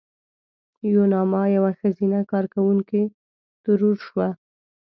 یوناما یوه ښځینه کارکوونکې ترور شوه.